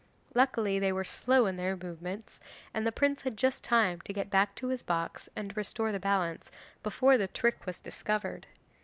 Luckily they were slow in their movements, and the prince had just time to get back to his own box and restore the balance, before the trick was discovered.